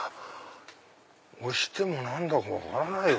押しても何だか分からないよ。